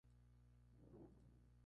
Charito se convirtió así en emperatriz.